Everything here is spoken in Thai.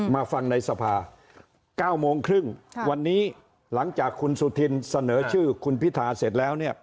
มาฟังในสภา๙โมงครึ่งวันนี้หลังจากคุณสุธินเสนอชื่อคุณพิธาเสร็จแล้วเนี่ย